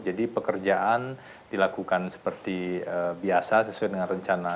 jadi pekerjaan dilakukan seperti biasa sesuai dengan rencana